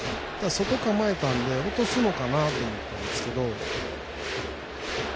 外、構えたんで落とすのかなと思ったんですけど。